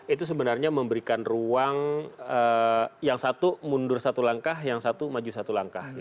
itu sebenarnya memberikan ruang yang satu mundur satu langkah yang satu maju satu langkah